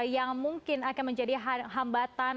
yang mungkin akan menjadi hambatan